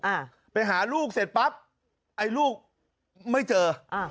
อ่าไปหาลูกเสร็จปั๊บไอ้ลูกไม่เจออ่า